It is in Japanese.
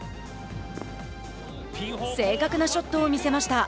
正確なショットを見せました。